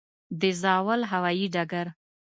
د زاول هوايي ډګر